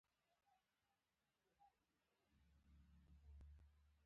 موږ مړه يو يو ځل مو له ژوند سره سترګې وجنګوئ.